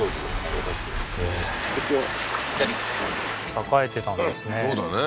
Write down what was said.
栄えてたんですね